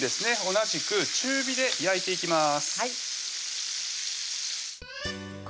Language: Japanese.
同じく中火で焼いていきます